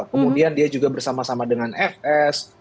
kemudian dia juga bersama sama dengan fs